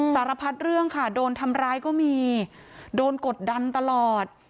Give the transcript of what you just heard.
สารพัดเรื่องค่ะโดนทำร้ายก็มีโดนกดดันตลอด